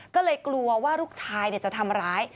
ก็เลยกลัวว่าลูกชายจะทำร้าย